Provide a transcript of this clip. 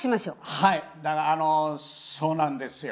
はいそうなんですよ。